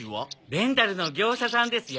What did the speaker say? レンタルの業者さんですよ。